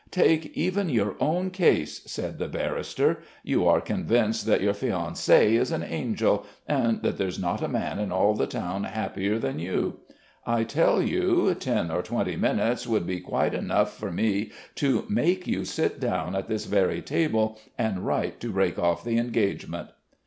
"'Take even your own case' ... said the barrister. 'You are convinced that your fiancée is an angel and that there's not a man in all the town happier than you. I tell you, ten or twenty minutes would be quite enough for me to make you sit down at this very table and write to break off the engagement.'